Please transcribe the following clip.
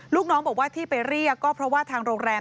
ลูกน้องบอกว่าที่ไปเรียกก็เพราะว่าทางโรงแรม